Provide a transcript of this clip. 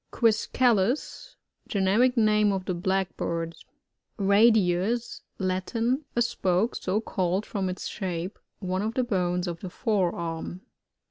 Qoiscalos. — Generic name of the Blackbirds. Radius. — Latin. A spoke — so called from its shape — one of the bones of the fore arm.